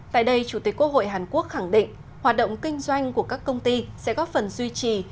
tại đây chủ tịch quốc hội hàn quốc khẳng định hoạt động kinh doanh của các công ty sẽ góp phần duy trì